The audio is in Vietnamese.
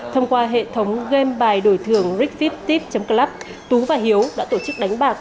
thông qua hệ thống game bài đổi thường rigviptip club tú và hiếu đã tổ chức đánh bạc